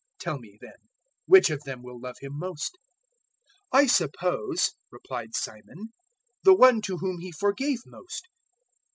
Tell me, then, which of them will love him most?" 007:043 "I suppose," replied Simon, "the one to whom he forgave most."